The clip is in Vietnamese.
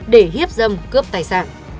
để hiếp dầm cướp tài sản